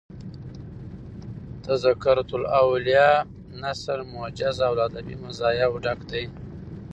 "تذکرةالاولیاء" نثر موجز او له ادبي مزایاو ډک دﺉ.